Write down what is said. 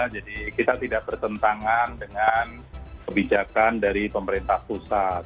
jadi kita tidak bertentangan dengan kebijakan dari pemerintah pusat